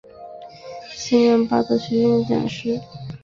现任巴德学院讲师。